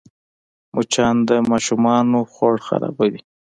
مچان د ماشومانو خوړ خرابوي